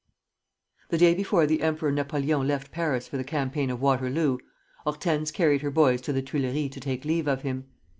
The day before the Emperor Napoleon left Paris for the campaign of Waterloo, Hortense carried her boys to the Tuileries to take leave of him.